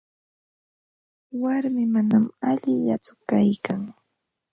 Warmii manam allillakutsu kaykan.